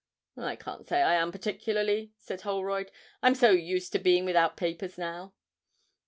'I can't say I am particularly,' said Holroyd; 'I'm so used to being without papers now.'